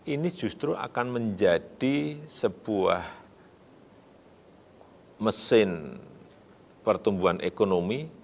ini justru akan menjadi sebuah mesin pertumbuhan ekonomi